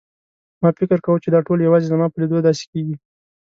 ما فکر کاوه چې دا ټول یوازې زما په لیدو داسې کېږي.